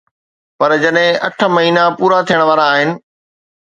پر جڏهن اٺ مهينا پورا ٿيڻ وارا آهن.